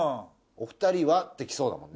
「お二人は」ってきそうだもん。